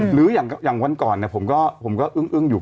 หรืออย่างวันก่อนผมก็อึ้งอยู่